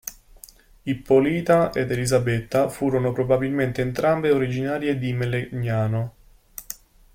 Ippolita ed Elisabetta furono probabilmente entrambe originarie di Melegnano.